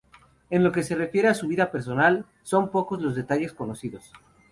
En lo que se refiere a su vida personal, son pocos los detalles conocidos.